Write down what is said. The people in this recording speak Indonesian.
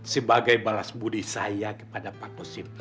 sebagai balas budi saya kepada pak dosis